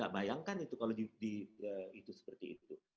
bayangkan itu kalau seperti itu